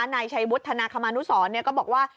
นายชัยวุฒนาคมานุสรก็บอกว่า